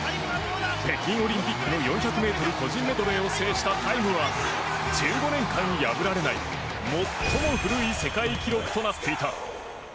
北京オリンピックの４００ｍ個人メドレーを制したタイムは１５年間破られない最も古い世界記録となっていた。